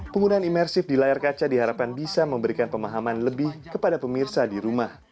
penggunaan imersif di layar kaca diharapkan bisa memberikan pemahaman lebih kepada pemirsa di rumah